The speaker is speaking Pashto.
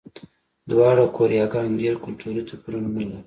دواړه کوریاګانې ډېر کلتوري توپیرونه نه لري.